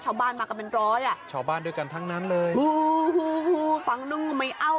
ชาวบ้านมากันเป็นร้อยอ่ะชาวบ้านด้วยกันทั้งนั้นเลยฟังหนึ่งไม่เอ้า